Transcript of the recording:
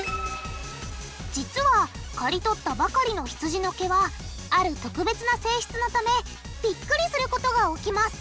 実はかり取ったばかりのひつじの毛はある特別な性質のためビックリすることが起きます。